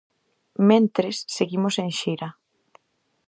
Mentres, seguimos en xira.